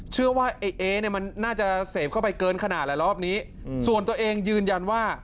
ไอ้เอ๊เนี่ยมันน่าจะเสพเข้าไปเกินขนาดแหละรอบนี้ส่วนตัวเองยืนยันว่า